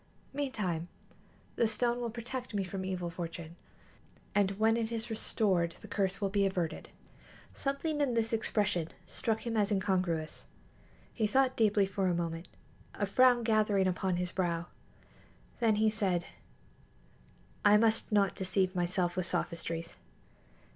Meantime, the stone will protect me from evil fortune, and when it is restored the curse will be averted." Something in this expression struck him as incongruous. He thought deeply for a moment, a frown gathering upon his brow. Then he said: "I must not deceive myself with sophistries.